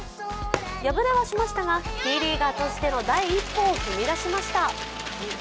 敗れはしましたがＴリーガーとしての一歩を踏み出しました。